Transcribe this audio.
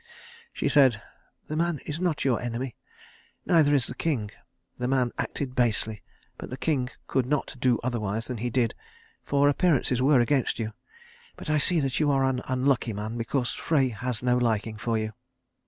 She said, "The man is not your enemy. Neither is the king. The man acted basely, but the king could not do otherwise than he did, for appearances were against you. But I see that you are an unlucky man, because Frey has no liking for you."